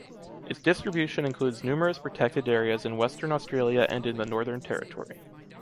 Its distribution includes numerous protected areas in Western Australia and in the Northern Territory.